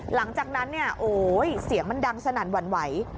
หลังจากนั้นเนี่ยโอ๊ยเสียงมันดังสนั่นหวั่นไหว